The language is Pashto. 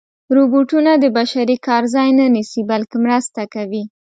روبوټونه د بشري کار ځای نه نیسي، بلکې مرسته کوي.